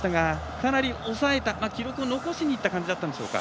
かなり記録を残しにいった感じだったんでしょうか。